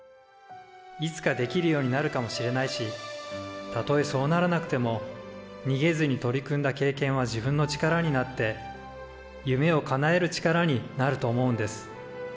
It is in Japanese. いつかできるようになるかもしれないしたとえそうならなくてもにげずに取り組んだ経験は自分の力になって夢をかなえる力になると思うんです。